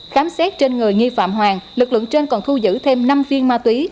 khám xét trên người nghi phạm hoàng lực lượng trên còn thu giữ thêm năm viên ma túy